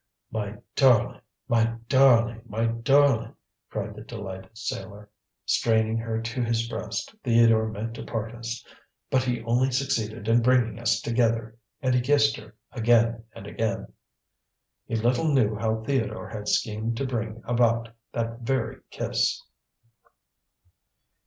"My darling! my darling! my darling!" cried the delighted sailor, straining her to his breast. "Theodore meant to part us, but he only succeeded in bringing us together!" and he kissed her again and again. He little knew how Theodore had schemed to bring about that very kiss!